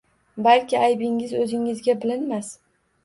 Balki aybingiz o‘zingizga bilinmas.